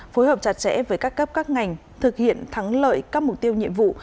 phối hợp chặt chẽ với các cấp các ngành thực hiện thắng lợi các mục tiêu nhiệm vụ